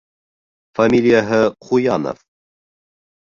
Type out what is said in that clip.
Фамилияһы Ҡуянов.